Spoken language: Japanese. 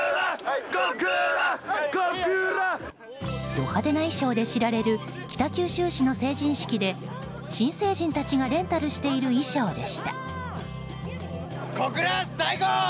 ド派手な衣装で知られる北九州市の成人式で新成人たちがレンタルしている衣装でした。